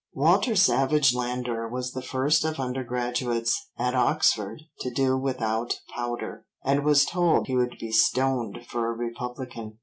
Walter Savage Landor was the first of undergraduates at Oxford to do without powder, and was told he would be stoned for a republican.